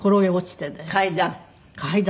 階段？